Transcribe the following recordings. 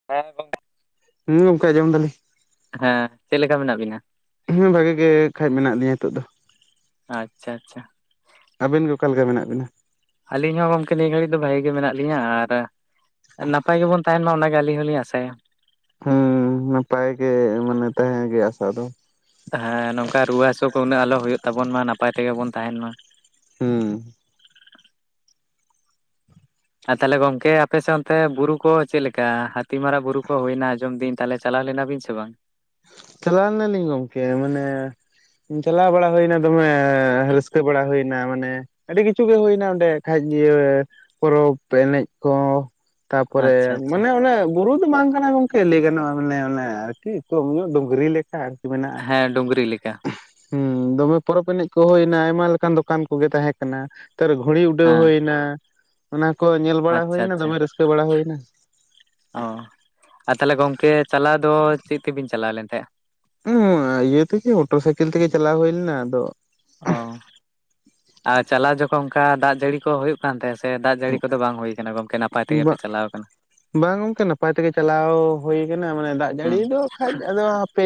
[unintelligible] ᱦᱩᱸ ᱜᱚᱢᱠᱮ ᱟᱡᱚᱢ ᱫᱟᱹᱞᱤᱧ᱾ ᱦᱮᱸ ᱪᱮᱫ ᱞᱮᱠᱟ ᱢᱮᱱᱟᱜ ᱵᱤᱱᱟ? ᱦᱩᱸ ᱵᱷᱟᱜᱤ ᱜᱮ ᱠᱷᱟᱡ ᱢᱮᱱᱟᱜ ᱞᱤᱧᱟ ᱱᱤᱛᱚᱜ ᱫᱚ᱾ ᱟᱪᱪᱷᱟ ᱟᱪᱪᱷᱟ᱾ ᱟᱹᱵᱤᱱ ᱜᱮ ᱚᱠᱟ ᱞᱮᱠᱟ ᱢᱮᱱᱟᱜ ᱵᱤᱱᱟ? ᱟᱹᱞᱤᱧ ᱦᱚᱸ ᱜᱚᱝᱠᱮ ᱱᱤᱭᱟᱹ ᱜᱷᱟᱹᱲᱤᱡ ᱫᱚ ᱵᱷᱟᱜᱤ ᱜᱮ ᱢᱮᱱᱟᱜ ᱞᱤᱧᱟ᱾ ᱟᱨ ᱱᱟᱯᱟᱭ ᱜᱮᱵᱚᱱ ᱛᱟᱦᱮᱱ ᱢᱟ ᱚᱱᱟᱜᱮ ᱟᱹᱞᱤᱧ ᱦᱚᱸᱞᱤᱧ ᱟᱥᱟᱭᱟ᱾ ᱦᱮᱸ ᱱᱟᱯᱟᱭ ᱜᱮ ᱢᱟᱱᱮ ᱛᱟᱦᱮᱸ ᱜᱮ ᱟᱥᱟ ᱫᱚ᱾ ᱦᱮᱸ ᱱᱚᱝᱠᱟ ᱨᱩᱣᱟᱹ ᱦᱟᱹᱥᱩ ᱠᱚ ᱩᱱᱟᱹᱜ ᱟᱞᱚ ᱦᱩᱭᱩᱜ ᱛᱟᱵᱚᱱ ᱢᱟ ᱱᱟᱯᱟᱭ ᱛᱮᱜᱮ ᱵᱚᱱ ᱛᱟᱦᱮᱱ ᱢᱟ᱾ ᱦᱩᱸ ᱟᱨ ᱛᱟᱦᱚᱞᱮ ᱜᱚᱝᱠᱮ ᱟᱯᱮ ᱥᱮᱫ ᱚᱱᱛᱮ ᱵᱩᱨᱩ ᱠᱚ ᱪᱮᱫ ᱞᱮᱠᱟ? ᱦᱟᱹᱛᱤ ᱢᱟᱨᱟᱜ ᱵᱩᱨᱩ ᱠᱚ ᱦᱩᱭᱱᱟ ᱟᱸᱡᱚᱢ ᱫᱤᱱ᱾ ᱛᱟᱦᱚᱞᱮ ᱪᱟᱞᱟᱣ ᱞᱮᱱᱟ ᱵᱤᱱ ᱥᱮ ᱵᱟᱝ? ᱪᱟᱞᱟᱣ ᱞᱮᱱᱟ ᱞᱤᱧ ᱜᱚᱢᱠᱮ, ᱢᱟᱱᱮ ᱪᱟᱞᱟᱣ ᱵᱟᱲᱟ ᱦᱩᱭᱱᱟ ᱫᱚᱢᱮ, ᱨᱟᱹᱥᱠᱟᱹ ᱵᱟᱲᱟ ᱦᱩᱭ ᱱᱟ ᱢᱟᱱᱮ ᱟᱹᱰᱤ ᱠᱤᱪᱷᱩ ᱜᱮ ᱦᱩᱭᱱᱟ ᱚᱸᱰᱮ ᱠᱷᱟᱡ ᱤᱭᱟᱹ ᱯᱚᱨᱚᱵᱽ ᱮᱱᱮᱡ ᱠᱚ᱾ ᱟᱪᱪᱷᱟ ᱛᱟᱯᱚᱨᱮ ᱟᱪᱪᱷᱟ ᱢᱟᱱᱮ ᱚᱱᱮ ᱵᱩᱨᱩ ᱫᱚ ᱵᱟᱝ ᱠᱟᱱᱟ ᱜᱚᱝᱠᱮ ᱞᱟᱹᱭ ᱜᱟᱱᱚᱜᱼᱟ ᱢᱟᱱᱮ ᱚᱱᱮ ᱟᱨᱠᱤ ᱠᱚᱢ ᱧᱚᱜ ᱰᱩᱝᱨᱤ ᱞᱮᱠᱟ ᱟᱨᱠᱤ ᱢᱮᱱᱟᱜᱼᱟ᱾ ᱦᱮᱸ ᱰᱩᱝᱨᱤ ᱞᱮᱠᱟ ᱦᱮᱸ ᱫᱚᱢᱮ ᱯᱚᱨᱚᱵᱽ ᱮᱱᱮᱡ ᱠᱚ ᱦᱩᱭᱱᱟ ᱟᱭᱢᱟ ᱞᱮᱠᱟᱱ ᱫᱚᱠᱟᱱ ᱠᱚᱜᱮ ᱛᱟᱦᱮᱸ ᱠᱟᱱᱟ᱾ ᱱᱮᱛᱟᱨ ᱜᱷᱩᱲᱤ ᱩᱰᱟᱹᱣ ᱦᱮᱸ ᱦᱩᱭᱱᱟ ᱚᱱᱟ ᱠᱚ ᱧᱮᱞ ᱵᱟᱲᱟ ᱟᱪᱪᱷᱟ ᱦᱩᱭᱱᱟ ᱟᱪᱪᱷᱟ ᱫᱚᱢᱮ ᱨᱟᱹᱥᱠᱟᱹ ᱵᱟᱲᱟ ᱦᱩᱭᱱᱟ᱾ ᱚ, ᱟᱨ ᱛᱟᱦᱚᱞᱮ ᱜᱚᱝᱠᱮ ᱪᱟᱞᱟᱣ ᱫᱚ ᱪᱮᱫ ᱛᱮᱵᱤᱱ ᱪᱟᱞᱟᱣ ᱞᱮᱱ ᱛᱟᱦᱮᱸᱫ? ᱩ ᱻ ᱤᱭᱟᱹ ᱛᱮᱜᱮ ᱢᱚᱴᱚᱨ ᱥᱟᱭᱠᱮᱞ ᱛᱮᱜᱮ ᱪᱟᱞᱟᱣ ᱦᱩᱭ ᱞᱮᱱᱟ ᱟᱫᱚ᱾ ᱚ, ᱟᱨ ᱪᱟᱞᱟᱣ ᱡᱚᱠᱷᱚᱱ ᱚᱱᱠᱟ ᱫᱟᱜ ᱡᱟᱹᱲᱤ ᱠᱚ ᱦᱩᱭᱩᱜ ᱠᱟᱱ ᱛᱟᱦᱮ ᱥᱮ ᱫᱟᱜ ᱡᱟᱹᱲᱤ ᱠᱚᱫᱚ ᱵᱟᱝ ᱦᱩᱭ ᱠᱟᱱᱟ ᱜᱚᱝᱠᱮ ᱱᱟᱯᱟᱭ ᱛᱮᱜᱮ ᱯᱮ ᱪᱟᱞᱟᱣ ᱠᱟᱱᱟ᱾ ᱵᱟᱝ ᱜᱚᱝᱠᱮ ᱱᱟᱯᱟᱭ ᱛᱮᱜᱮ ᱪᱟᱞᱟᱣ ᱦᱩᱭ ᱟᱠᱟᱱᱟ ᱢᱟᱱᱮ ᱫᱟᱜ ᱡᱟᱹᱲᱤ ᱦᱩᱸ ᱫᱚ ᱠᱷᱟᱡ ᱟᱫᱚ ᱯᱮ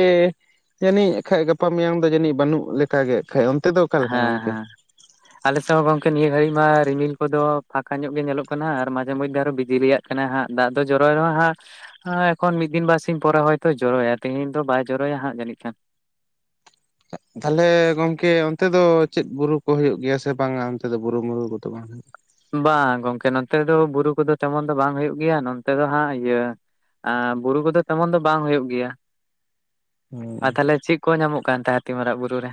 ᱡᱟᱹᱱᱤᱡ ᱠᱷᱟᱡ ᱜᱟᱯᱟ ᱢᱮᱭᱟᱝ ᱫᱚ ᱡᱟᱹᱱᱤᱡ ᱵᱟᱹᱱᱩᱜ ᱞᱮᱠᱟ ᱜᱮ ᱠᱷᱟᱡ ᱚᱱᱛᱮ ᱫᱚ ᱚᱠᱟᱞᱮᱠᱟ ᱦᱮᱸ ᱜᱚᱝᱠᱮ ᱦᱮᱸ [inaudible] ᱟᱞᱮ ᱥᱮᱫ ᱦᱚᱸ ᱜᱚᱝᱠᱮ ᱱᱤᱭᱟᱹ ᱜᱷᱟᱹᱲᱤᱡ ᱢᱟ ᱨᱤᱢᱤᱞ ᱠᱚᱫᱚ ᱯᱷᱟᱸᱠᱟ ᱧᱚᱜ ᱜᱮ ᱧᱮᱞᱚᱜ ᱠᱟᱱᱟ, ᱟᱨ ᱢᱟᱡᱷᱮ ᱢᱚᱫᱽᱫᱷᱮ ᱟᱨᱚ ᱵᱤᱡᱽ ᱞᱤᱭᱟᱜ ᱠᱟᱱᱟ ᱦᱟᱸᱜ ᱫᱟᱜ ᱫᱚ ᱡᱚᱨᱚᱭ ᱨᱮᱦᱚᱸ ᱦᱟᱸᱜ᱾ ᱮᱠᱷᱚᱱ ᱢᱤᱫ ᱫᱤᱱ ᱵᱟᱨ ᱥᱤᱧ ᱯᱚᱨᱮ ᱦᱚᱭᱛᱳ ᱡᱚᱨᱚᱭᱟ ᱛᱤᱦᱤᱧ ᱫᱚ ᱵᱟᱭ ᱡᱚᱨᱚᱭᱟ ᱦᱟᱸᱜ ᱡᱟᱹᱱᱤᱡ ᱠᱷᱟᱱ᱾ ᱛᱟᱦᱚᱞᱮ ᱜᱚᱝᱠᱮ ᱚᱱᱛᱮ ᱫᱚ ᱪᱮᱫ ᱵᱩᱨᱩ ᱠᱚ ᱦᱩᱭᱩᱜ ᱜᱮᱭᱟ ᱥᱮ ᱵᱟᱝᱟ ᱚᱱᱛᱮ ᱫᱚ ᱵᱩᱨᱩ ᱢᱩᱨᱩ ᱠᱚᱫᱚ ᱵᱟᱝ? ᱵᱟᱝ ᱜᱚᱝᱠᱮ ᱱᱚᱛᱮ ᱫᱚ ᱵᱩᱨᱩ ᱠᱚᱫᱚ ᱛᱮᱢᱚᱱ ᱫᱚ ᱵᱟᱝ ᱦᱩᱭᱩᱜ ᱜᱮᱭᱟ, ‌ᱱᱚᱱ ᱛᱮ ᱫᱚ ᱦᱟᱸᱜ ᱤᱭᱟᱹ ᱵᱩᱨᱩ ᱠᱚᱫᱚ ᱛᱮᱢᱚᱱ ᱫᱚ ᱵᱟᱝ ᱦᱩᱭᱩᱜ ᱜᱮᱭᱟ᱾ ᱦᱩᱸ ᱟᱨ ᱛᱟᱦᱞᱮ ᱪᱮᱫ ᱠᱚ ᱧᱟᱢᱚᱜ ᱠᱟᱱ ᱛᱟᱦᱮᱸ ᱦᱟᱹᱛᱤ ᱢᱟᱨᱟᱜ ᱵᱩᱨᱩ ᱨᱮ?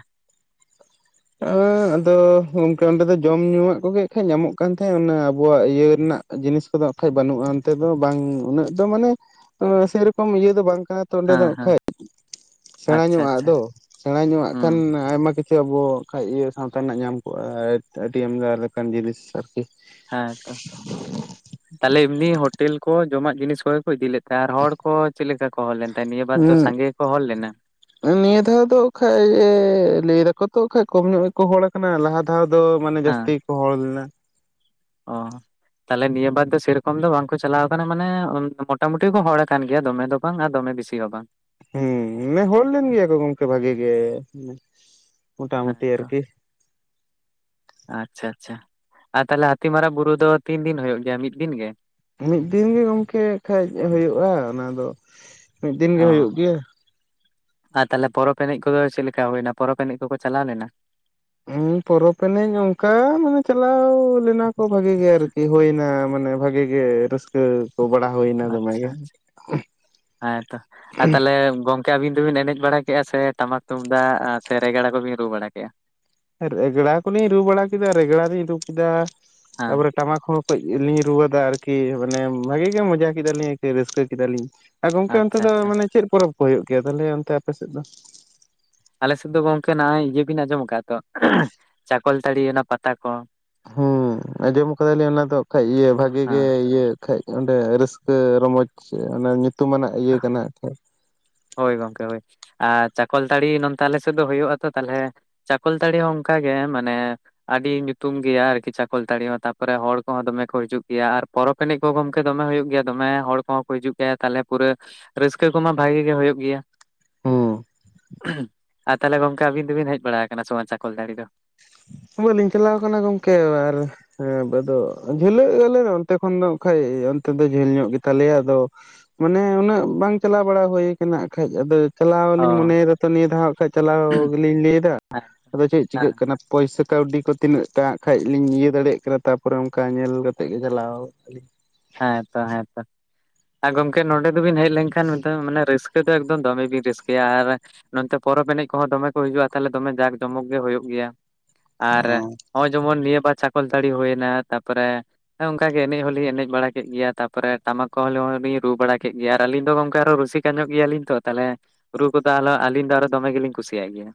ᱦᱮᱸ ᱟᱫᱚ ᱜᱚᱢᱠᱮ ᱚᱸᱰᱮ ᱫᱚ ᱡᱚᱢ ᱧᱩᱣᱟᱜ ᱠᱚᱜᱮ ᱠᱷᱟᱡ ᱧᱟᱢᱚᱜ ᱠᱟᱱ ᱛᱟᱦᱮᱸᱫ ᱚᱱᱟ ᱟᱵᱚᱣᱟᱜ ᱤᱭᱟᱹ ᱨᱮᱱᱟᱜ ᱡᱤᱱᱤᱥ ᱠᱚᱫᱚ ᱟᱠᱷᱟᱡ ᱵᱟᱹᱱᱩᱜᱼᱟ ᱚᱱᱛᱮ ᱫᱚ ᱵᱟᱝ ᱩᱱᱟᱹᱜ ᱫᱚ ᱢᱟᱱᱮ ᱥᱮ ᱨᱚᱠᱚᱢ ᱤᱭᱟᱹ ᱫᱚ ᱵᱟᱝ ᱠᱟᱱᱟ! ᱛᱚ ᱚᱸᱰᱮ ᱦᱮᱸ ᱫᱚ ᱦᱮᱸ ᱠᱷᱟᱡ ᱥᱮᱬᱟ ᱟᱪᱪᱷᱟ ᱧᱚᱜᱼᱟᱜ ᱟᱪᱪᱷᱟ ᱫᱚ ᱥᱮᱬᱟ ᱧᱚᱜᱼᱟᱜ ᱦᱩᱸ ᱠᱷᱟᱱ ᱟᱭᱢᱟ ᱠᱤᱪᱷᱩ ᱟᱵᱚ, ᱵᱟᱠᱷᱟᱡ ᱤᱭᱟᱹ ᱥᱟᱶᱛᱟ ᱨᱮᱱᱟᱜ ᱧᱟᱢ ᱠᱚᱜᱼᱟ ᱟᱹᱰᱤ ᱟᱢᱫᱟ ᱞᱮᱠᱟᱱ ᱡᱤᱱᱤᱥ ᱟᱨᱠᱤ᱾ ᱦᱮᱸᱛᱚ ᱛᱟᱦᱚᱞᱮ ᱮᱢᱱᱤ ᱦᱳᱴᱮᱞ ᱠᱚ ᱡᱚᱢᱟᱜ ᱡᱤᱱᱤᱥ ᱠᱚᱜ ᱠᱚ ᱤᱫᱤ ᱞᱮᱫ ᱛᱟᱦᱮᱸ? ᱟᱨ ᱦᱚᱲ ᱠᱚ ᱪᱮᱫ ᱞᱮᱠᱟ ᱠᱚ ᱦᱚᱲ ᱞᱮᱱ ᱛᱟᱦᱮᱸ ᱱᱤᱭᱟᱹ ᱵᱟᱨ ᱫᱚ ᱦᱩᱸ ᱥᱟᱸᱜᱮ ᱜᱮ ᱠᱚ ᱦᱚᱲ ᱞᱮᱱᱟ? ᱱᱤᱭᱟᱹ ᱫᱷᱟᱣ ᱫᱚ ᱠᱷᱟᱱ ᱞᱟᱹᱭ ᱫᱟᱠᱚ ᱛᱚ ᱠᱷᱟᱱ ᱠᱚᱢ ᱧᱚᱜ ᱜᱮ ᱠᱚ ᱦᱚᱲ ᱟᱠᱟᱱᱟ ᱞᱟᱦᱟ ᱫᱷᱟᱣ ᱫᱚ ᱢᱟᱱᱮ ᱡᱟᱹᱥᱛᱤ ᱜᱮ ᱠᱚ ᱦᱚᱲ ᱞᱮᱱᱟ᱾ ᱚᱻ ᱛᱟᱦᱚᱞᱮ ᱱᱤᱭᱟᱹ ᱵᱟᱨ ᱫᱚ ᱥᱮ ᱨᱚᱠᱚᱢ ᱫᱚ ᱵᱟᱝ ᱠᱚ ᱪᱟᱞᱟᱣ ᱟᱠᱟᱱᱟ ᱢᱟᱱᱮ ᱢᱚᱴᱟ ᱢᱩᱴᱤ ᱠᱚ ᱦᱚᱲ ᱠᱟᱱ ᱜᱮᱭᱟ ᱫᱚᱢᱮ ᱫᱚ ᱵᱟᱝᱼᱟ ᱫᱚᱢᱮ ᱵᱤᱥᱤ ᱦᱚᱸ ᱵᱟᱝ᱾ ᱦᱮᱸ ᱢᱟᱱᱮ ᱦᱚᱲ ᱞᱮᱱ ᱜᱮᱭᱟ ᱠᱚ ᱜᱚᱝᱠᱮ ᱵᱷᱟᱜᱤ ᱜᱮ ᱢᱚᱴᱟ ᱦᱮᱸ ᱢᱩᱴᱤ ᱛᱚ ᱟᱨᱠᱤ᱾ ᱟᱪᱪᱷᱟ ᱟᱪᱪᱷᱟ ᱟᱨ ᱛᱟᱦᱚᱞᱮ ᱦᱟᱹᱛᱤ ᱢᱟᱨᱟᱜ ᱵᱩᱨᱩ ᱫᱚ ᱛᱤᱱ ᱫᱤᱱ ᱦᱩᱭᱩᱜ ᱜᱮᱭᱟ ᱢᱤᱫ ᱫᱤᱱ ᱜᱮ? ᱢᱤᱫ ᱫᱤᱱ ᱜᱤ ᱜᱚᱝᱠᱮ ᱠᱷᱟᱡ ᱦᱳᱭᱳᱼᱟ ᱚᱱᱟ ᱫᱚ ᱢᱤᱫ ᱫᱤᱱ ᱜᱮ ᱚ ᱦᱳᱭᱳᱜ ᱜᱮᱭᱟ᱾ ᱟᱨ ᱛᱟᱦᱚᱞᱮ ᱯᱚᱨᱚᱵᱽ ᱮᱱᱮᱡ ᱠᱚᱫᱚ ᱪᱮᱫ ᱞᱮᱠᱟ ᱦᱩᱭᱱᱟ ᱯᱚᱨᱚᱵᱽ ᱮᱱᱮᱡ ᱠᱚᱠᱚ ᱪᱟᱞᱟᱣ ᱞᱮᱱᱟ? ᱦᱩᱸ ᱯᱚᱨᱚᱵᱽ ᱮᱱᱮᱡ ᱚᱱᱠᱟ ᱢᱟᱱᱮ ᱪᱟᱞᱟᱣ ᱞᱮᱱᱟ ᱵᱷᱟᱜᱤ ᱜᱮ ᱟᱨᱠᱤ ᱦᱩᱭᱱᱟ ᱢᱟᱱᱮ ᱵᱷᱟᱜᱤ ᱜᱮ ᱨᱟᱹᱥᱠᱟᱹ ᱠᱚ ᱵᱟᱲᱟ ᱦᱩᱭᱱᱟ᱾ ᱫᱚᱢᱮ ᱟᱪᱪᱷᱟ ᱜᱮ ᱟᱪᱪᱷᱟ ᱦᱮᱸᱛᱚ ᱟᱨ ᱛᱟᱦᱚᱞᱮ ᱜᱚᱢᱠᱮ ᱪᱤᱠᱟᱹ ᱟᱹᱵᱤᱱ ᱫᱚᱵᱤᱱ ᱮᱱᱮᱡ ᱵᱟᱲᱟ ᱠᱮᱫᱼᱟ, ᱥᱮ ᱴᱟᱢᱟᱠ ᱛᱩᱢᱫᱟᱜ ᱥᱮ ᱨᱮᱜᱟᱲᱲᱟ ᱠᱚᱵᱤᱱ ᱨᱩ ᱵᱟᱲᱟ ᱠᱮᱫᱼᱟ᱾ ᱨᱮᱜᱽᱲᱟ ᱠᱚᱞᱤᱧ ᱨᱩ ᱵᱟᱲᱟ ᱠᱮᱫᱟ, ᱨᱮᱜᱽᱲᱟ ᱨᱤᱧ ᱨᱩ ᱠᱮᱫᱟ ᱦᱮᱸ ᱛᱟᱯᱚᱨᱮ ᱴᱟᱢᱟᱠ ᱦᱚᱸ ᱠᱟᱹᱡ ᱞᱤᱧ ᱨᱩᱣᱟᱹᱫᱟ ᱟᱨᱠᱤ ᱢᱟᱱᱮ ᱵᱷᱟᱜᱤ ᱜᱮ ᱢᱚᱡᱟ ᱠᱮᱫᱟᱞᱤᱧ ᱟᱨᱠᱤ ᱨᱟᱹᱥᱠᱟᱹ ᱠᱮᱫᱟᱞᱤᱧ᱾ ᱦᱮᱸ ᱜᱚᱝᱠᱮ ᱚᱱᱛᱮ ᱟᱪᱪᱷᱟ ᱫᱚ ᱟᱪᱪᱷᱟ ᱢᱟᱱᱮ ᱪᱮᱫ ᱯᱚᱨᱚᱵᱽ ᱠᱚ ᱦᱩᱭᱩᱜ ᱜᱮᱭᱟ ᱛᱟᱦᱚᱞᱮ ᱚᱱᱛᱮ ᱟᱯᱮ ᱥᱮᱫ ᱫᱚ? ᱟᱞᱮ ᱥᱮᱫ ᱫᱚ ᱜᱚᱝᱠᱮ ᱱᱚᱜᱼᱚᱭ ᱤᱭᱟᱹ ᱵᱤᱱ ᱟᱸᱡᱚᱢ ᱟᱠᱟᱫᱼᱟ ᱛᱚ, ᱪᱟᱠᱚᱞᱛᱟᱹᱲᱤ ᱚᱱᱟ ᱯᱟᱛᱟ ᱠᱚ᱾ ᱦᱩᱸ ᱟᱸᱡᱚᱢ ᱠᱟᱫᱟᱞᱤᱧ ᱚᱱᱟ ᱫᱚ ᱠᱷᱟᱡ ᱤᱭᱟᱹ ᱵᱷᱟᱜᱤ ᱜᱮ ᱦᱮᱸ ᱤᱭᱟᱹ᱾ ᱠᱷᱟᱡ ᱚᱸᱰᱮ ᱨᱟᱹᱥᱠᱟᱹ ᱨᱚᱢᱚᱡᱽ ᱚᱱᱟ ᱧᱩᱛᱩᱢᱟᱱᱟᱜ ᱤᱭᱟᱹ ᱠᱟᱱᱟ᱾ ᱦᱳᱭ ᱜᱚᱝᱠᱮ ᱦᱳᱭ ᱟᱨ ᱪᱟᱠᱚᱞᱛᱟᱹᱲᱤ ᱱᱛᱮ ᱟᱞᱮ ᱥᱮᱫ ᱫᱚ ᱦᱩᱭᱩᱜ- ᱟ ᱛᱚ ᱛᱟᱦᱚᱞᱮ ᱪᱟᱠᱚᱞᱛᱟᱹᱲᱤ ᱦᱚᱸ ᱚᱱᱠᱟᱟᱜ ᱜᱮ ᱢᱟᱱᱮ᱾ ᱟᱹᱰᱤ ᱧᱩᱛᱩᱢ ᱜᱮᱭᱟ ᱟᱨᱠᱤ ᱪᱟᱠᱚᱞᱛᱟᱲᱤ ᱦᱚᱸ ᱛᱟᱯᱚᱨᱮ ᱦᱚᱲ ᱠᱚᱦᱚᱸ ᱫᱚᱢᱮ ᱠᱚ ᱦᱤᱡᱩᱜ ᱜᱮᱭᱟ ᱟᱨ ᱯᱚᱨᱚᱵᱽ ᱤᱱᱟᱹ ᱠᱚ ᱜᱚᱝᱠᱮ ᱫᱚᱢᱮ ᱦᱩᱭᱩᱜ ᱜᱮᱭᱟ ᱫᱚᱢᱮ ᱦᱚᱲ ᱠᱚᱦᱚᱸ ᱠᱚ ᱦᱤᱡᱩᱜ ᱜᱮᱭᱟ ᱛᱟᱦᱞᱮ ᱯᱩᱨᱟᱹ ᱨᱟᱹᱥᱠᱟᱹ ᱠᱚᱢᱟ ᱵᱷᱟᱜᱤ᱾ ᱦᱳᱭᱳᱜ ᱜᱮᱭᱟ᱾ ᱦᱮᱸ ᱟᱨ ᱛᱟᱦᱚᱞᱮ ᱜᱚᱝᱠᱮ ᱟᱹᱵᱤᱱ ᱫᱚᱵᱤᱱ ᱦᱮᱡ ᱵᱟᱲᱟ ᱟᱠᱟᱱᱟ ᱥᱢᱟᱱ ᱪᱟᱠᱚᱞ ᱫᱟᱲᱮ ᱫᱚ? ᱵᱟᱹᱞᱤᱧ ᱪᱟᱞᱟᱣ ᱟᱠᱟᱱᱟ ᱜᱚᱢᱠᱮ ᱟᱨ ᱦᱮᱸ ᱵᱟ ᱫᱚ ᱡᱷᱟᱹᱞᱟᱹᱜ ᱟᱞᱮ ᱚᱱᱛᱮ ᱠᱷᱚᱱ ᱫᱚ ᱠᱷᱟᱭ ᱚᱱᱛᱮ ᱫᱚ ᱡᱷᱟᱹᱞ ᱧᱚᱜ ᱜᱮᱛᱟᱞᱮᱭᱟ ᱟᱫᱚ᱾ ᱢᱟᱱᱮ ᱩᱱᱟᱹᱜ ᱵᱟᱝ ᱪᱟᱞᱟᱣ ᱵᱟᱲᱟ ᱦᱩᱭ ᱠᱟᱱᱟ ᱠᱷᱟᱭ ᱟᱫᱚ᱾ ᱪᱟᱞᱟᱣ ᱚ ᱞᱤᱧ ᱢᱚᱱᱮᱭᱮᱫᱟ ᱛᱚ ᱱᱤᱭᱟᱹ ᱫᱷᱟᱣᱜ ᱠᱷᱟᱭ ᱪᱟᱞᱟᱣ ᱜᱮᱞᱤᱧ ᱞᱟᱹᱭᱮᱫᱟ ᱦᱮᱸ ᱟᱫᱚ ᱪᱮᱫ ᱦᱮᱸ ᱪᱤᱠᱟᱹᱜ ᱠᱟᱱᱟ᱾ ᱯᱚᱭᱥᱟ ᱠᱟᱹᱣᱰᱤ ᱠᱚ ᱛᱤᱱᱟᱹᱜ ᱴᱟᱜ ᱠᱷᱟᱭ ᱞᱤᱧ ᱤᱭᱟᱹ ᱫᱟᱲᱮᱭᱟᱜ ᱠᱟᱱᱟ ᱛᱟᱯᱚᱨᱮ ᱚᱱᱠᱟ ᱧᱮᱞ ᱠᱟᱛᱮ ᱜᱮ ᱪᱟᱞᱟᱣ ᱟᱹᱞᱤᱧ᱾ ᱦᱮᱸᱛᱚ ᱦᱮᱸᱛᱚ᱾ ᱟᱨ ᱜᱚᱢᱠᱮ ᱱᱚᱰᱮ ᱫᱚᱵᱤᱱ ᱦᱮᱡ ᱞᱮᱱᱠᱷᱟᱱ ᱢᱟᱱᱮ ᱨᱟᱹᱥᱠᱟᱹ ᱫᱚ ᱮᱠᱫᱚᱢ ᱫᱚᱢᱮ ᱵᱤᱱ ᱨᱟᱹᱥᱠᱟᱹᱭᱟ ᱟᱨ ᱱᱚᱛᱮ ᱯᱚᱨᱚᱵᱽ ᱮᱱᱮᱡ ᱠᱚᱦᱚᱸ ᱫᱚᱢᱮ ᱠᱚ ᱦᱤᱡᱩᱜᱼᱟ ᱛᱟᱦᱞᱮ ᱫᱚᱢᱮ ᱡᱟᱸᱠ ᱡᱚᱢᱚᱠ ᱜᱮ ᱦᱩᱭᱩᱜ ᱜᱮᱭᱟ ᱟᱨ ᱚ ᱱᱚᱜᱚᱭ ᱡᱮᱢᱚᱱ ᱱᱤᱭᱟᱹ ᱵᱟᱨ᱾ ᱪᱷᱟᱠᱚᱞᱛᱹᱲᱤ ᱦᱩᱭᱱᱟ ᱛᱟᱯᱚᱨᱮ ᱚᱱᱠᱟ ᱜᱮ ᱮᱱᱮᱡ ᱦᱚᱸᱞᱤᱧ ᱮᱱᱮᱡ ᱵᱟᱲᱟ ᱠᱮᱫ ᱜᱮᱭᱟ ᱛᱟᱨᱯᱚᱨᱮ ᱴᱟᱢᱟᱠ ᱠᱚᱦᱤᱧ ᱨᱩ ᱵᱟᱲᱟ ᱠᱮᱫ ᱜᱮᱭᱟ ᱟᱨ ᱟᱹᱞᱤᱧ ᱫᱚ ᱜᱚᱝᱠᱮ ᱟᱨᱚ ᱨᱩᱥᱤᱠᱠᱟ ᱧᱚᱜ ᱜᱮᱭᱟᱞᱤᱧ ᱛᱚ ᱛᱟᱦᱚᱞᱮ᱾ ᱨᱩ ᱠᱚᱫᱚ ᱟᱞᱚ ᱟᱹᱞᱤᱧ ᱫᱚ ᱟᱨᱚ ᱫᱚᱢᱮ ᱜᱮᱞᱤᱧ ᱠᱩᱥᱤᱭᱟᱜ ᱜᱮᱭᱟ᱾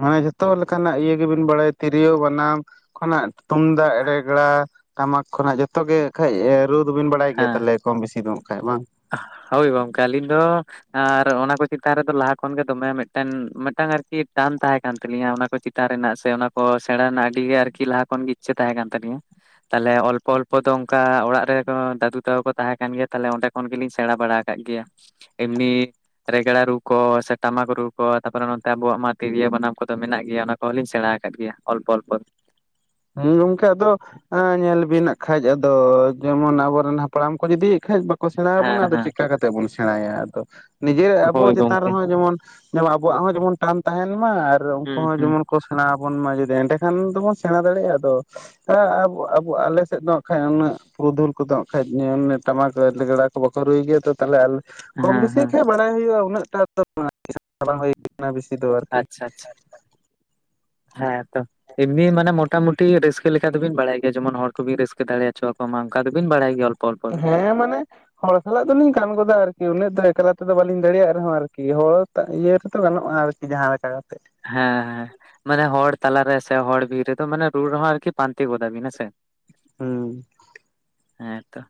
ᱢᱟᱱᱮ ᱡᱚᱛᱚ ᱞᱮᱠᱟᱱᱟᱜ ᱤᱭᱟᱹ ᱜᱮᱵᱤᱱ ᱵᱟᱲᱟᱭᱟ ᱛᱤᱨᱭᱳ, ᱵᱟᱱᱟᱢ, ᱠᱷᱚᱱᱟᱜ ᱛᱩᱢᱫᱟᱜ, ᱨᱮᱜᱽᱲᱟ, ᱴᱟᱢᱟᱠ ᱠᱷᱚᱱᱟᱜ ᱡᱚᱛᱚ ᱜᱮ ᱠᱷᱟᱡ ᱨᱩ ᱫᱚᱵᱤᱱ ᱵᱟᱲᱟᱭ ᱜᱮᱭᱟ ᱦᱮᱸ ᱛᱟᱦᱚᱞᱮ, ᱠᱚᱢ ᱵᱤᱥᱤ ᱨᱩᱜ ᱠᱷᱟᱱ ᱵᱟᱝ? ᱦᱳᱭ ᱜᱚᱢᱠᱮ ᱟᱹᱞᱤ ᱫᱚ ᱟᱨ ᱚᱱᱟᱠᱚ ᱪᱮᱛᱟᱱ ᱨᱮᱫᱚ ᱞᱟᱦᱟ ᱠᱷᱚᱱᱜᱮ ᱫᱚᱢᱮ ᱢᱤᱫᱴᱮᱱ ᱢᱤᱫᱴᱟᱝ ᱟᱨᱠᱤ ᱴᱟᱱ ᱛᱟᱦᱮᱸ ᱠᱟᱱ ᱛᱟᱞᱤᱧᱟ ᱚᱱᱟ ᱠᱚ ᱪᱮ ᱪᱮᱛᱟᱱ ᱨᱮᱱᱟᱜ ᱥᱮ ᱚᱱᱟ ᱠᱚ ᱥᱮᱬᱟ ᱨᱮᱱᱟᱜ ᱟᱹᱰᱤ ᱜᱮ ᱟᱨᱠᱤ ᱞᱟᱦᱟ ᱠᱷᱚᱱ ᱜᱮ ᱤᱪᱪᱷᱟᱹ ᱛᱟᱦᱮᱸ ᱠᱟᱱ ᱛᱟᱞᱤᱧᱟ᱾ ᱛᱟᱦᱚᱞᱮ ᱚᱞᱯᱚ ᱚᱞᱯᱚ ᱫᱚ ᱚᱱᱠᱟ ᱚᱲᱟᱜ ᱨᱮ ᱫᱟᱫᱩ ᱛᱟᱠᱚ ᱛᱟᱦᱮᱸ ᱠᱟᱱ ᱜᱮᱭᱟ᱾ ᱛᱟᱦᱮ ᱚᱸᱰᱮ ᱚᱱ ᱜᱮᱞᱤᱧ ᱥᱮᱬᱟ ᱵᱟᱲᱟ ᱟᱠᱟᱫ ᱜᱮᱭᱟ, ᱮᱢᱱᱤ ᱨᱮᱜᱽᱲᱟ ᱨᱩ ᱠᱚ, ᱥᱮ ᱴᱟᱢᱟᱠ ᱨᱩ ᱠᱚ, ᱛᱟᱯᱚᱨᱮ ᱱᱚᱛᱮ ᱟᱵᱚᱣᱟᱜ ᱢᱟ ᱛᱤᱨᱭᱳ, ᱵᱟᱱᱟᱢ, ᱠᱚᱫᱚ ᱢᱮᱱᱟᱜ ᱜᱮᱭᱟ ᱚᱱᱟ᱾ ᱦᱚ ᱞᱤᱧ ᱥᱮᱬᱟ ᱟᱠᱟᱫ ᱜᱮᱭᱟ ᱚᱞᱯᱚ ᱚᱞᱯᱚ᱾ ᱢᱩᱸ ᱜᱚᱢᱠᱮ ᱟᱫᱚ ᱧᱮᱞ ᱵᱤᱱ ᱱᱟᱜ ᱠᱷᱟᱡ ᱟᱫᱚ ᱡᱮᱢᱚᱱ ᱟᱵᱚᱨᱮᱱ ᱦᱟᱯᱲᱟᱢ ᱠᱚ ᱡᱩᱫᱤ ᱠᱷᱟᱡ ᱵᱟᱠᱚ ᱥᱮᱬᱟ ᱦᱮᱸ ᱟᱵᱚᱱᱟ ᱟᱫᱚ ᱦᱮᱸ ᱪᱮᱠᱟ ᱠᱟᱛᱮᱫ ᱵᱚᱱ ᱥᱮᱬᱟᱭᱟ, ᱟᱫᱚ ᱱᱤᱡᱮᱨ ᱟᱵᱚ ᱦᱳᱭ ᱪᱮᱛᱟᱱ ᱜᱚᱝᱠᱮ ᱨᱮᱦᱚᱸ ᱡᱮᱢᱚᱱ ᱡᱮᱢᱚᱱ ᱟᱵᱚᱣᱟᱜ ᱦᱚᱸ ᱡᱮᱢᱚᱱ ᱴᱟᱱ ᱛᱟᱦᱮᱱ ᱢᱟ ᱟᱨ ᱩᱱᱠᱩ ᱦᱩᱸ ᱦᱚᱸ ᱦᱩᱸ ᱡᱮᱢᱚᱱ ᱠᱚ ᱥᱮᱬᱟ ᱟᱵᱚᱱ ᱢᱟ ᱡᱩᱫᱤ ᱮᱸᱰᱮᱠᱷᱟᱱ ᱫᱚᱵᱚᱱ ᱥᱮᱬᱟ ᱫᱟᱲᱮᱭᱟᱜᱼᱟ, ᱟᱫᱚ ᱦᱮᱸ ᱟᱵᱚ ᱟᱞᱮ ᱥᱮᱫ ᱫᱚᱜ ᱠᱷᱟᱱᱡ ᱩᱱᱟᱹᱜ ᱯᱩᱨᱩᱫᱷᱩᱞ ᱠᱚᱫᱚ ᱠᱷᱟᱭ ᱴᱟᱢᱟᱠ ᱞᱮᱜᱽᱲᱟ ᱠᱚ ᱵᱟᱠᱚ ᱨᱩᱭ ᱜᱮᱭᱟ ᱛᱚ ᱛᱟᱦᱚᱞᱮ ᱟᱞ ᱠᱚᱢ ᱦᱮᱸ ᱵᱮᱥᱤ ᱦᱮᱸ ᱠᱷᱟᱱᱡ ᱵᱟᱲᱟᱭ ᱦᱩᱭᱩᱜᱼᱟ, ᱩᱱᱟᱹᱜᱴᱟ ᱫᱚ ᱵᱟᱝ ᱵᱟᱝ ᱦᱩᱭ ᱠᱟᱱᱟ ᱵᱮᱥᱤ ᱫᱚ ᱟᱨᱠᱤ᱾ ᱟᱪᱪᱷᱟ ᱟᱪᱪᱷᱟ ᱦᱮᱸ ᱛᱚ᱾ ᱮᱢᱱᱤ ᱢᱟᱱᱮ ᱢᱚᱴᱟᱢᱩᱴᱤ ᱨᱟᱹᱥᱠᱟᱹ ᱞᱮᱠᱟ ᱫᱚᱵᱤᱱ ᱵᱟᱲᱟᱭ ᱜᱮᱭᱟ ᱡᱮᱢᱚᱱ ᱦᱚᱲ ᱠᱚᱵᱤᱱ ᱨᱟᱹᱠᱟᱹ ᱫᱟᱲᱮᱚᱪᱚᱣᱟ ᱢᱟ ᱚᱱᱠᱟ ᱫᱚᱵᱤᱱ ᱵᱟᱲᱟᱭ ᱜᱮᱭᱟ ᱚᱞᱯᱚ᱾ ᱚᱞᱯᱚ ᱫᱚ ᱦᱮᱸ ᱢᱟᱱᱮ ᱦᱚᱲ ᱥᱟᱞᱟᱜ ᱫᱚᱞᱤᱧ ᱜᱟᱱ ᱜᱚᱫᱟ ᱟᱨᱠᱤ ᱩᱱᱟᱹᱜ ᱫᱚ ᱮᱠᱞᱟ ᱛᱮᱫᱚ ᱵᱟᱹᱞᱤᱧ ᱫᱟᱲᱮᱭᱟᱜ ᱨᱮᱦᱚᱸ ᱟᱨᱠᱤ, ᱦᱚᱲ ᱤᱭᱟᱹ ᱨᱮᱛᱚ ᱜᱟᱱᱚᱜᱼᱟ ᱟᱨᱠᱤ ᱡᱟᱦᱟᱸ ᱞᱮᱠᱟ ᱠᱟᱛᱮᱫ᱾ ᱦᱮᱸ ᱦᱮᱸ ᱢᱟᱱᱮ ᱦᱚᱲ ᱛᱟᱞᱟᱨᱮ ᱥᱮ ᱦᱚᱲ ᱵᱤᱨ ᱨᱮᱫᱚ ᱢᱟᱱᱮ ᱨᱩ ᱨᱮᱦᱚᱸ ᱟᱨᱠᱤ ᱯᱟᱱᱛᱮ ᱜᱚᱫᱟ ᱵᱤᱱ ᱦᱮᱸᱥᱮ? ᱦᱩᱸ᱾ ᱦᱮᱸᱛᱚ᱾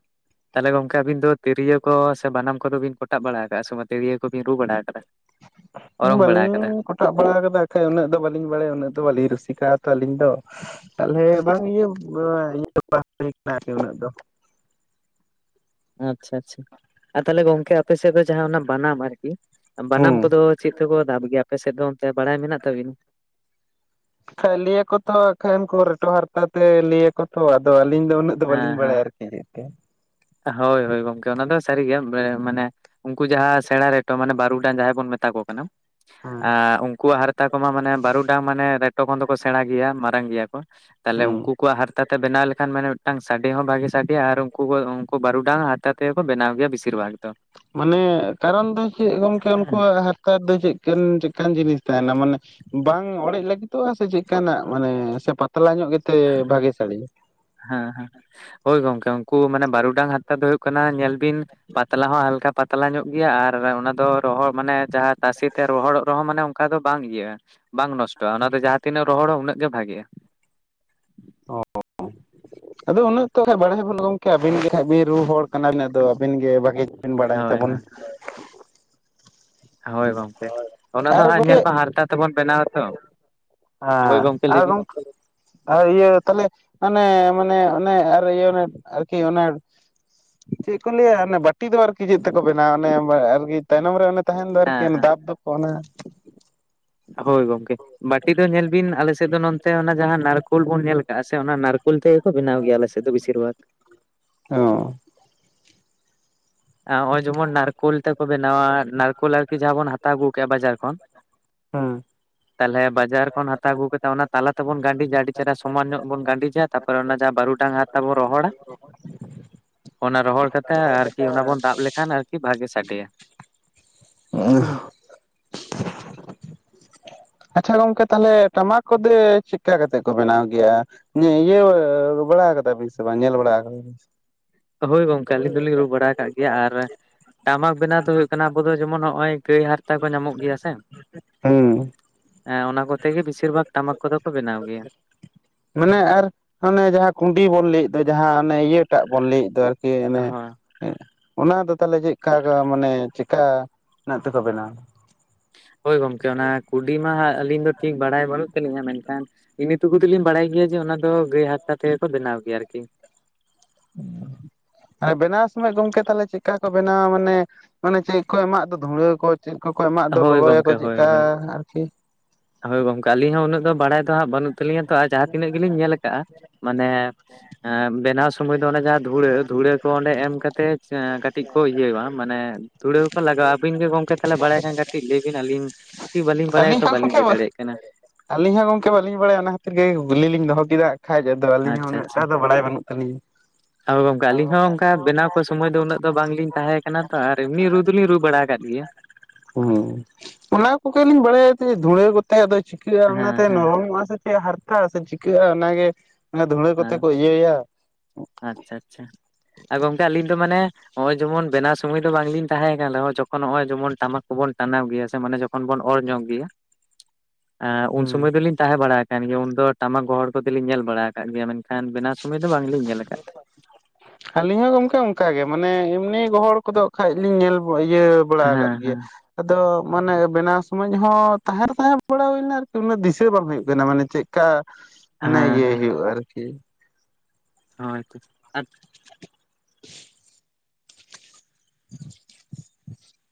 ᱛᱟᱦᱚᱞᱮ ᱜᱚᱢᱠᱮ ᱟᱵᱤᱱ ᱫᱚ ᱛᱤᱨᱭᱳ ᱠᱚ ᱥᱮ ᱵᱟᱱᱟᱢ ᱠᱚᱫᱚ ᱵᱤᱱ ᱠᱚᱴᱟᱜ ᱵᱟᱲᱟ ᱟᱠᱟᱫᱟᱼᱟ, ᱥᱮ ᱵᱟᱝ ᱛᱤᱨᱭᱳ ᱠᱚᱵᱤᱱ ᱨᱩ ᱵᱟᱲᱟ ᱟᱠᱟᱫᱟ? ᱚᱨᱚᱝ ᱵᱟᱲᱟ ᱵᱟᱞᱤᱧ ᱟᱠᱟᱫᱟ ᱠᱚᱴᱟᱵ ᱵᱟᱲᱟ ᱠᱟᱫᱟ ᱵᱟᱠᱷᱟᱡ ᱩᱱᱟᱹᱜ ᱫᱚ ᱵᱟᱹᱞᱤᱧ ᱵᱟᱲᱟᱭᱟ ᱩᱱᱟᱹᱜ ᱫᱚ ᱵᱟᱹᱞᱤᱧ ᱨᱩᱥᱤᱠᱟᱜ-ᱟ ᱛᱚ ᱟᱹᱞᱤᱧ ᱫᱚ, ᱛᱟᱦᱚᱞᱮ ᱵᱟᱝ ᱤᱭᱟᱹ ᱤᱭᱟᱹᱵᱟᱝ ᱦᱩᱭ ᱠᱟᱱᱟ ᱟᱨᱠᱤ ᱩᱱᱟᱹᱜ ᱫᱚ᱾ ᱟᱪᱼᱪᱷᱟ ᱟᱪᱼᱪᱷᱟ ᱟᱨ ᱛᱟᱦᱚᱞᱮ ᱜᱚᱝᱠᱮ ᱟᱯᱮᱥᱮᱫ ᱫᱚ ᱡᱟᱦᱟᱸ ᱚᱱᱟ ᱵᱟᱱᱟᱢ ᱟᱨᱠᱤ, ᱵᱟᱱᱟᱢ ᱦᱩᱸ ᱠᱚᱫᱚ ᱪᱮᱫ ᱡᱷᱚᱛᱚ ᱠᱚ ᱫᱟᱵ ᱜᱮᱭᱟ ᱟᱯᱮᱥᱮᱫ ᱫᱚ ᱚᱱᱛᱮ ᱵᱟᱲᱟᱭ ᱢᱮᱱᱟᱜ ᱛᱟᱵᱤᱱᱟ? ᱠᱟᱛᱷᱟᱡ ᱞᱟᱹᱭᱟᱠᱚ ᱛᱚ ᱮᱠᱷᱟᱱ ᱠᱚ ᱨᱮᱴᱚ ᱦᱟᱨᱛᱟ ᱛᱮ ᱞᱟᱹᱭᱟᱠᱚ ᱛᱚ ᱟᱫᱚ ᱟᱹᱞᱤᱧ ᱫᱚ ᱩᱱᱟᱹᱜ ᱫᱚ ᱦᱮᱸ ᱵᱟᱹᱞᱤᱧ ᱵᱟᱲᱟᱭᱟ ᱦᱮᱸ ᱟᱨᱠᱤ, ᱦᱤᱡᱩᱜ ᱛᱮ ᱦᱳᱭ ᱦᱳᱭ ᱜᱚᱝᱠᱮ ᱚᱱᱟ ᱫᱚ ᱥᱟᱹᱨᱤ ᱜᱮᱭᱟ, ᱢᱟᱱᱮ ᱩᱱᱠᱩ ᱡᱟᱦᱟᱸ ᱥᱮᱬᱟ ᱨᱮᱴᱚ ᱢᱟᱱᱮ ᱵᱟᱨᱩᱰᱟᱝ ᱡᱟᱦᱟᱸᱭ ᱵᱚᱱ ᱢᱮᱛᱟ ᱠᱚ ᱠᱟᱱᱟ, ᱦᱮᱸ ᱩᱱᱠᱩᱣᱟ ᱟᱨ ᱢᱮᱛᱟ ᱠᱚᱢᱟ ᱢᱟᱱᱮ ᱵᱟᱨᱩ ᱰᱟᱝ ᱢᱟᱱᱮ ᱨᱮᱴᱚ ᱠᱷᱚᱱ ᱫᱚᱠᱚ ᱥᱮᱬᱟ ᱜᱮᱭᱟ ᱢᱟᱨᱟᱝ ᱜᱮᱭᱟ ᱠᱚ᱾ ᱛᱟᱦᱚᱞᱮ ᱦᱩᱸ ᱩᱱᱠᱩ ᱠᱚᱣᱟᱜ ᱦᱟᱨᱛᱟ ᱛᱮ ᱵᱮᱱᱟᱣ ᱞᱮᱠᱷᱟᱱ ᱢᱟᱱᱮ ᱢᱤᱫᱴᱟᱝ ᱥᱟᱰᱮ ᱦᱚᱸ ᱵᱷᱟᱜᱤ ᱥᱟᱰᱮᱭᱟ ᱟᱨ ᱩᱱᱠᱩ ᱩᱱᱠᱩ ᱵᱟᱨᱩᱰᱟᱝ ᱦᱟᱨᱛᱟ ᱛᱮᱠᱚ ᱵᱮᱱᱟᱣ ᱜᱮᱭᱟ ᱵᱮᱥᱤᱨ ᱵᱷᱟᱜᱽ ᱫᱚ᱾ ᱢᱟᱱᱮ ᱠᱟᱨᱚᱱ ᱫᱚ ᱪᱮᱫ ᱜᱚᱝᱠᱮ ᱦᱮᱸ ᱩᱱᱠᱩᱣᱟᱜ ᱛᱮᱫ ᱫᱚ ᱪᱮᱫᱠᱟᱱ ᱪᱮᱫᱠᱟᱱ ᱡᱤᱱᱤᱥ ᱛᱟᱦᱮᱱᱟ ᱢᱟᱱᱮ ᱵᱟᱝ ᱚᱲᱮᱡ ᱞᱟᱹᱜᱤᱫᱚᱜ-ᱟ, ᱥᱮ ᱪᱮᱫᱠᱟᱱᱟᱜ ᱢᱟᱱᱮ ᱥᱮ ᱯᱟᱛᱞᱟ ᱧᱚᱜ ᱜᱮᱛᱮ ᱵᱷᱟᱜᱤ ᱥᱟᱹᱲᱮᱭᱟ? ᱦᱮᱸ ᱦᱮᱸ ᱦᱳᱭ ᱜᱚᱝᱠᱮ ᱩᱱᱠᱩ ᱢᱟᱱᱮ ᱵᱟᱨᱩᱰᱟᱝ ᱦᱟᱨᱛᱟ ᱫᱚ ᱦᱩᱭᱩᱜ ᱠᱟᱱᱟ ᱧᱮᱞ ᱵᱤᱱ ᱯᱟᱛᱞᱟ ᱦᱚᱸ ᱦᱟᱞᱠᱟ ᱯᱟᱛᱞᱟ ᱧᱚᱜ ᱜᱮᱭᱟ, ᱟᱨ ᱚᱱᱟᱫᱚ ᱨᱚᱦᱚᱲ ᱢᱟᱱᱮ ᱡᱟᱦᱟᱸ ᱛᱟᱥᱮᱛᱮ ᱨᱚᱦᱚᱲᱚᱜ ᱨᱮᱦᱚᱸ ᱢᱟᱱᱮ ᱚᱱᱠᱟ ᱫᱚ ᱵᱟᱝ ᱤᱭᱟᱹᱜ-ᱟ ᱵᱟᱝ ᱱᱚᱥᱴᱚᱜ-ᱟ, ᱚᱱᱟ ᱫᱚ ᱡᱟᱦᱟᱸ ᱛᱤᱱᱟᱹᱜ ᱨᱚᱦᱚᱲᱟ ᱩᱱᱟᱹᱜ ᱜᱮ ᱵᱷᱟᱜᱤᱜ-ᱟ᱾ ᱚ ᱚ ᱟᱫᱚ ᱩᱱᱟᱹᱜ ᱛᱚ ᱦᱟᱸ ᱵᱟᱲᱟᱭ ᱵᱟᱹᱱᱩᱜ ᱜᱚᱢᱠᱮ ᱟᱹᱵᱤᱱ ᱜᱮ ᱦᱟᱸᱜ ᱵᱤᱱ ᱨᱩ ᱦᱚᱲ ᱠᱟᱱᱟ ᱩᱱᱚᱜ ᱫᱚ ᱟᱹᱵᱤᱱ ᱜᱮ ᱵᱷᱟᱹᱜᱤ ᱵᱤᱱ ᱵᱟᱲᱟᱭ ᱦᱳᱭ ᱛᱟᱵᱚᱱᱟ᱾ ᱦᱳᱭ ᱦᱳᱭ ᱜᱚᱢᱠᱮ ᱚᱱᱟ ᱫᱚ ᱟᱨ ᱦᱟᱸᱜ ᱜᱚᱝᱠᱮ ᱧᱮᱞ ᱢᱟ ᱦᱟᱨᱛᱟ ᱛᱮᱵᱚᱱ ᱵᱮᱱᱟᱣᱟ ᱛᱚ᱾ ᱦᱳᱭ ᱦᱟᱸ ᱜᱚᱝᱠᱮ ᱞᱟᱹᱭ ᱟᱨ ᱵᱤᱱ ᱜᱚᱢᱠᱮ ᱟᱨ ᱤᱭᱟᱹ ᱛᱟᱦᱚᱞᱮ ᱚᱱᱮ ᱢᱟᱱᱮ ᱚᱱᱮ ᱟᱨ ᱤᱭᱟᱹ ᱟᱨᱠᱤ ᱚᱱᱟ ᱪᱮᱫ ᱠᱚ ᱞᱟᱹᱭᱟ ᱵᱟᱹᱴᱤ ᱫᱚ ᱟᱨᱠᱤ ᱪᱮᱫ ᱛᱮᱠᱚ ᱵᱮᱱᱟᱣᱟ? ᱚᱱᱮ ᱟᱨᱠᱤ ᱛᱟᱭᱱᱚᱢ ᱨᱮ ᱛᱟᱦᱮᱱ ᱫᱚ ᱟᱨᱠᱤ ᱦᱮᱸ ᱫᱟᱵ ᱫᱚᱠᱚ ᱚᱱᱮ ᱦᱳᱭ ᱜᱚᱝᱠᱮ ᱵᱟᱴᱤ ᱫᱚ ᱧᱮᱞ ᱵᱤᱱ ᱟᱞᱮᱥᱮᱫ ᱫᱚ ᱱᱚᱛᱮ ᱚᱱᱟ ᱡᱟᱦᱟᱸ ᱱᱟᱨᱠᱳᱞ ᱵᱚᱱ ᱧᱮᱞ ᱟᱠᱟᱜ-ᱟ ᱥᱮ ᱚᱱᱟ ᱱᱟᱨᱠᱳ ᱩᱞ ᱛᱮᱜᱮᱠᱚ ᱵᱮᱱᱟᱣ ᱜᱮᱭᱟ ᱟᱞᱮᱥᱮᱫ ᱫᱚ ᱵᱤᱥᱤᱨ ᱵᱷᱟᱜᱽ᱾ ᱚᱸ᱾ ᱱᱚᱜ ᱚᱭ ᱡᱮᱢᱚᱱ ᱱᱟᱨᱠᱳᱞ ᱛᱮᱠᱚ ᱵᱮᱱᱟᱣᱟ, ᱱᱟᱨᱠᱳᱞ ᱟᱨᱠᱤ ᱡᱟᱦᱟᱸ ᱵᱚᱱ ᱦᱟᱛᱟᱣ ᱟᱹᱜᱩ ᱠᱮᱫ-ᱟ ᱵᱟᱡᱟᱨ ᱠᱷᱚᱱ, ᱦᱩᱸ᱾ ᱛᱟᱦᱚᱞᱮ ᱵᱟᱡᱟᱨ ᱠᱷᱚᱱ ᱦᱟᱛᱟᱣ ᱟᱹᱜᱩ ᱠᱟᱛᱮ ᱚᱱᱟ ᱛᱟᱞᱟ ᱛᱮᱵᱚᱱ ᱜᱟᱺᱰᱤᱡᱟ ᱟᱹᱰᱤ ᱪᱮᱦᱨᱟ ᱥᱩ ᱥᱚᱢᱟᱱ ᱧᱚᱜ ᱵᱚᱱ ᱜᱟᱺᱰᱤᱡᱟ, ᱛᱟᱯᱚᱨᱮ ᱚᱱᱟ ᱡᱟᱦᱟᱸ ᱵᱟᱨᱩ ᱰᱟᱝ ᱦᱟᱨᱛᱟ ᱵᱚᱱ ᱨᱚᱦᱚᱲᱟ, ᱚᱱᱟ ᱨᱚᱦᱚᱲ ᱠᱟᱛᱮ ᱟᱨᱠᱤ ᱚᱱᱟ ᱵᱚᱱ ᱫᱟᱵ ᱞᱮᱠᱷᱟᱱ ᱟᱨᱠᱤ ᱵᱷᱟᱜᱮ ᱥᱟᱰᱮᱭᱟ ᱚ [inaudible] ᱟᱪᱪᱷᱟ ᱜᱚᱝᱠᱮ ᱛᱟᱦᱚᱞᱮ ᱴᱟᱢᱟᱠ ᱠᱚᱫᱚ ᱪᱮᱫᱠᱟ ᱠᱟᱛᱮᱫ ᱠᱚ ᱵᱮᱱᱟᱣ ᱜᱮᱭᱟ. ᱩᱱᱤ ᱤᱭᱟᱹ ᱵᱟᱲᱟ ᱠᱟᱫᱟ ᱵᱤᱥ ᱵᱟᱝ ᱧᱮᱞ ᱵᱟᱲᱟ ᱠᱟᱫᱟ ᱦᱳᱭ ᱜᱚᱝᱠᱮ ᱟᱹᱞᱤᱧ ᱫᱚᱞᱤᱧ ᱨᱩ ᱵᱟᱲᱟ ᱟᱠᱟᱫ ᱜᱮᱭᱟ ᱟᱨ ᱴᱟᱢᱟᱠ ᱵᱮᱱᱟᱣ ᱫᱚ ᱦᱩᱭᱩᱜ ᱠᱟᱱᱟ ᱟᱵᱚ ᱫᱚ ᱡᱮᱢᱚᱱ ᱱᱚᱜᱚᱭ ᱜᱟᱹᱭ ᱦᱟᱨᱛᱟ ᱠᱚ ᱧᱟᱢᱚᱜ ᱜᱮᱭᱟ ᱥᱮ ᱦᱩᱸ ᱦᱮᱸ ᱚᱱᱟ ᱠᱚᱛᱮ ᱜᱮ ᱵᱮᱥᱤᱨ ᱵᱷᱟᱜᱽ ᱴᱟᱢᱟᱠ ᱠᱚᱫᱚ ᱠᱚ ᱵᱮᱱᱟᱣ ᱜᱮᱭᱟ ᱢᱟᱱᱮ ᱟᱨ ᱚᱱᱮ ᱡᱟᱦᱟᱸ ᱠᱩᱸᱰᱤ ᱵᱚᱱ ᱞᱟᱹᱭᱮᱫ ᱫᱚ ᱡᱟᱦᱟᱸ ᱚᱱᱮ ᱤᱭᱟᱹᱴᱟᱜ ᱵᱚᱱ ᱞᱟᱹᱭᱮᱫ ᱫᱚ [inaudible] ᱚᱱᱮ ᱦᱮ ᱦᱳᱭ ᱚᱱᱟ ᱫᱚ ᱛᱟᱦᱚᱞᱮ ᱪᱮᱫᱠᱟ ᱢᱟᱱᱮ ᱪᱮᱠᱟᱱᱟᱜ ᱛᱮᱠᱚ ᱵᱮᱱᱟᱣᱟ ᱦᱳᱭ ᱜᱚᱢᱠᱮ ᱚᱱᱟ ᱠᱩᱰᱤ ᱢᱟ ᱦᱟᱸᱜ ᱟᱹᱞᱤᱧ ᱫᱚ ᱴᱷᱤᱠ ᱵᱟᱲᱟᱭ ᱵᱟᱹᱱᱩᱜ ᱛᱟᱹᱞᱤᱧᱟ ᱢᱮᱱᱠᱷᱟᱱ ᱤᱱᱮᱴᱩᱠᱩ ᱛᱮᱞᱤᱧ ᱵᱟᱲᱟᱭ ᱜᱮᱭᱟ ᱡᱮ ᱚᱱᱟ ᱫᱚ ᱜᱟᱹᱭ ᱦᱟᱨᱛᱟ ᱛᱮᱜᱮ ᱠᱚ ᱵᱮᱱᱟᱣ ᱜᱮᱭᱟ ᱟᱨᱠᱤ᱾ [inaudible] ᱵᱮᱱᱟᱣ ᱥᱚᱢᱚᱭ ᱜᱚᱝᱠᱮ ᱛᱟᱦᱚᱞᱮ ᱪᱮᱫᱠᱟ ᱠᱚ ᱵᱮᱱᱟᱣᱟ ᱢᱟᱱᱮ ᱢᱟᱱᱮ ᱪᱮᱫ ᱠᱚ ᱮᱢᱟᱜ ᱫᱚ ᱫᱷᱩᱲᱟᱹ ᱠᱚ ᱪᱮᱫ ᱠᱚᱠᱚ ᱮᱢᱟᱜ ᱫᱚ ᱦᱳᱭ ᱞᱚᱵᱚᱭᱟᱠᱚ ᱜᱚᱝᱠᱮ ᱪᱮᱫᱠᱟ ᱦᱳᱭ ᱦᱳᱭ ᱟᱨᱠᱤ ᱦᱳᱭ ᱜᱚᱝᱠ ᱟᱞᱤᱧ ᱦᱚᱸ ᱩᱱᱟᱹᱜ ᱫᱚ ᱵᱟᱲᱟᱭ ᱫᱚᱦᱟᱜ ᱵᱟᱹᱱᱩᱜ ᱛᱟᱞᱤᱧᱟ ᱛᱚ ᱟᱨ ᱡᱟᱦᱟᱸ ᱛᱤᱱᱟᱹᱜ ᱜᱮᱞᱤᱧ ᱧᱮᱞ ᱟᱠᱟᱜ-ᱟ ᱢᱟᱱᱮ [unintelligible] ᱵᱮᱨ ᱯᱷᱟᱥᱴ ᱥᱚᱢᱚᱭ ᱫᱚ ᱚᱱᱮ ᱡᱟᱦᱟᱸ ᱫᱷᱩᱲᱟᱹ ᱫᱷᱩᱲᱟᱹ ᱠᱚ ᱚᱸᱰᱮ ᱮᱢ ᱠᱟᱛᱮᱪ ᱠᱟᱹᱴᱤᱡ ᱠᱚ ᱤᱭᱟᱹ-ᱣᱟ ᱢᱟᱱᱮ- ᱛᱩᱲᱟᱹ ᱦᱚᱠᱚ ᱞᱟᱜᱟᱣᱼᱟ ᱟᱵᱤᱱ ᱜᱮ ᱜᱚᱝᱠᱮ ᱛᱟᱦᱞᱮ ᱵᱟᱲᱟᱭ- ᱦᱮᱸ ᱜᱟᱴᱤᱡ ᱞᱟᱹᱭ ᱵᱤᱱ ᱟᱹᱞᱤᱧ ᱠᱤ ᱵᱟᱹᱞᱤᱧ ᱟᱹᱞᱤᱧ ᱵᱟᱲᱟᱭᱟᱛᱷᱚ ᱦᱚᱸ ᱵᱟᱹᱞᱤᱧ ᱜᱚᱝᱠᱮ ᱞᱟᱹᱭ ᱫᱟᱲᱮᱭᱟᱜ ᱠᱟᱱᱟ᱾ ᱟᱹᱞᱤᱧ ᱦᱚᱸ ᱜᱚᱝᱠᱮ ᱵᱟᱹᱞᱤᱧ ᱵᱟᱲᱟᱭᱟ ᱚᱱᱟ ᱠᱷᱟᱹᱛᱤᱨ ᱜᱮ ᱜᱩᱞᱞᱤᱞᱤᱧ ᱫᱚᱦᱚ ᱠᱮᱫᱟ ᱟᱠᱷᱟᱡ ᱫᱚ ᱟᱹᱞᱤᱧ ᱦᱚᱸ ᱩᱱᱟᱹᱜᱴᱟ ᱫᱚ ᱵᱟᱲᱟᱭ ᱵᱟᱹᱱᱩᱜ᱾ ᱟᱞᱤᱧ- ᱟᱫᱚ ᱜᱚᱝᱠᱮ ᱟᱹᱞᱤᱧ ᱦᱚᱸ ᱚᱝᱠᱟ ᱵᱮᱱᱟᱣ ᱠᱚ ᱥᱚᱢᱚᱭ ᱫᱚ ᱩᱱᱟᱹᱜ ᱫᱚ ᱵᱟᱝᱞᱤᱧ ᱛᱟᱦᱮᱸ ᱠᱟᱱᱟ ᱛᱚ ᱟᱨ ᱮᱢᱱᱤ ᱨᱩ ᱫᱚᱞᱤᱧ ᱨᱩ ᱵᱟᱲᱟ ᱟᱠᱟᱫ ᱜᱮᱭᱟ᱾ ᱩᱸ ᱚᱱᱟ ᱠᱚᱜᱮᱞᱤᱧ ᱵᱟᱲᱟᱭᱟᱛᱮ ᱫᱷᱩᱲᱟᱹ ᱛᱮ ᱫᱚ ᱪᱤᱠᱟᱹᱜᱼᱟ ᱦᱮᱸ ᱚᱱᱟᱛᱮ ᱦᱮᱸ ᱱᱚᱨᱚᱢᱚᱜᱼᱟ ᱥᱮ ᱪᱮᱫ ᱦᱟᱨᱛᱟᱼᱟ ᱥᱮ ᱪᱤᱠᱟᱹᱜᱼᱟ ᱚᱱᱟᱜ ᱜᱮ ᱫᱷᱩᱲᱟᱹ ᱦᱮᱸ ᱠᱚᱛᱮ ᱠᱚ- ᱤᱭᱟᱹ ᱭᱟ᱾ [unintelligible] ᱟᱪᱪᱷᱟ ᱟᱪᱪᱷᱟ ᱟ ᱜᱚᱝᱠᱮ ᱟᱹᱞᱤᱧ ᱫᱚ ᱢᱟᱱᱮ- ᱚᱜᱼᱚᱭ ᱡᱮᱢᱚᱱ ᱵᱮᱱᱟ ᱥᱚᱢᱚᱭ ᱫᱚ ᱵᱟᱝᱞᱤᱧ ᱛᱟᱦᱮᱸ ᱠᱟᱱᱟ ᱨᱮᱦᱚ ᱡᱚᱠᱷᱚᱱ ᱚᱜᱼᱚᱭ ᱡᱮᱢᱚᱱ ᱴᱟᱢᱟᱠ ᱠᱚᱵᱚᱱ ᱴᱟᱱᱟᱣ ᱜᱮᱭᱟ ᱥᱮ ᱢᱟᱱᱮ ᱡᱚᱠ- ᱠᱷᱚᱱ ᱵᱚᱱ ᱚᱨ ᱧᱚᱜ ᱜᱮᱭᱟ᱾ [inaudible] ᱩᱱ ᱥᱚᱢᱚᱭ ᱦᱩᱸ ᱫᱚᱞᱤᱧ ᱛᱟᱦᱮᱸ ᱵᱟᱲᱟ ᱟᱠᱟᱱ ᱜᱮᱭᱟ ᱩᱱ ᱫᱚ ᱴᱟᱢᱟᱠ ᱜᱚᱦᱚᱲ ᱠᱚᱫᱞᱤᱧ ᱧᱮᱞ ᱵᱟᱲᱟ ᱟᱠᱟᱜ ᱜᱮᱭᱟ ᱢᱮᱱ- ᱠᱷᱟᱱ ᱵᱮᱱᱟᱣ ᱥᱚᱢᱚᱭ ᱫᱚ ᱵᱟᱝ ᱞᱤᱧ ᱧᱮᱞ ᱟᱠᱟ- ᱟᱹᱞᱤᱧ ᱦᱚᱸ ᱜᱚᱝᱠᱮ ᱚᱝᱠᱟ ᱜᱮ ᱢᱟᱱᱮ ᱮᱢᱱᱤ ᱜᱚᱦᱚᱲ ᱠᱚᱫᱚ ᱠᱷᱟᱡ ᱞᱤᱧ ᱧᱮᱞ ᱤᱭᱟᱹ- ᱵᱟᱲᱟ [unintelligible] ᱟᱠᱟᱫ ᱦᱮᱸ ᱜᱮᱭᱟ᱾ ᱦᱮᱸ ᱟᱫᱚ ᱢᱟᱱᱮ ᱵᱮᱱᱟᱣ ᱥᱚᱢᱚᱭ ᱦᱚᱸ ᱛᱟᱦᱮᱸ ᱛᱟᱦᱮᱸ ᱵᱟᱲᱟ ᱦᱩᱭᱱᱟ ᱟᱨᱠᱤ ᱩᱱᱟᱹᱜ ᱫᱤᱥᱟᱹ ᱵᱟᱝ ᱦᱩᱭᱩᱜ ᱠᱟᱱᱟ ᱢᱟᱱᱮ ᱪᱮᱫ- ᱠᱟ ᱢᱟᱱᱮ ᱦᱮᱸ ᱤᱭᱟᱹᱭ ᱦᱩᱭᱩᱜᱼᱟ ᱟᱨᱠᱤ᱾ ᱦᱳᱭ ᱛᱚ᱾ [inaudible]